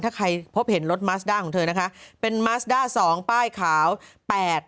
ถ้าใครพบเห็นรถมัสด้าของเธอนะคะเป็นมัสด้าสองป้ายขาวแปด